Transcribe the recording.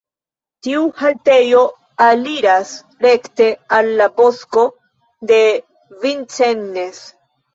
Tiu haltejo aliras rekte al la Bosko de Vincennes.